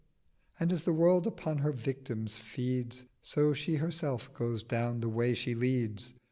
'And as the World upon her victims feeds So She herself goes down the Way she leads.